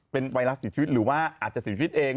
เป็นไวรัสเสียชีวิตหรือว่าอาจจะเสียชีวิตเอง